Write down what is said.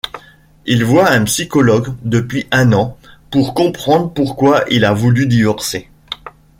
Il voit un psychologue depuis un an pour comprendre pourquoi il a voulu divorcer.